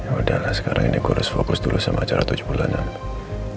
yaudah sekarang ini gue harus fokus dulu sama acara tujuh bulanan